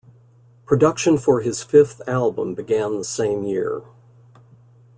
Production for his fifth album began the same year.